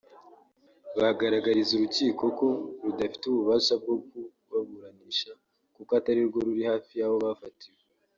bagaragariza urukiko ko rudafite ububasha bwo kubaburanisha kuko atari rwo ruri hafi y’aho bafatiwe